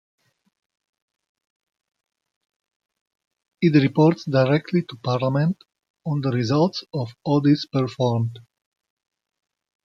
It reports directly to Parliament on the results of audits performed.